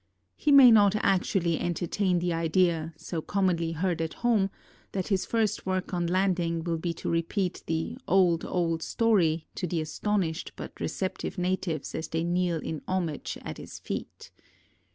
He may not actually entertain the idea, so commonly heard at home, that his first work on landing will be to repeat the "old, old story" to the as tonished but receptive natives as they kneel in homage at his feet.